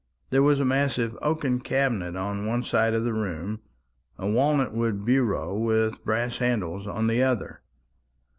There was a massive oaken cabinet on one side of the room, a walnut wood bureau with brass handles on the other.